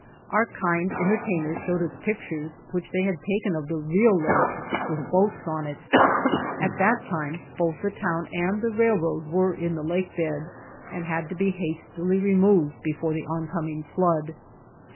Our kind entertain ers showed us pictures which they had taken of the real lake with boats on it. At that time both the town and the railroad were in the lake bed and had to be hastily removed before the oncoming flood.